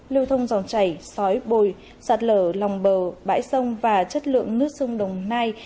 lưu thông dòng chảy xói bồi sạt lở lòng bờ bãi sông và chất lượng nước sông đồng nai